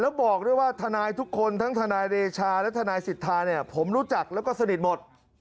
แล้วบอกด้วยว่าทนายทุกคนทั้งทนายเดชาและทนายสิทธาเนี่ยผมรู้จักแล้วก็สนิทหมด